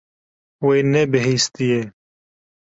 Wê nebihîstiye.